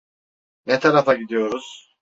Ne tarafa gidiyoruz?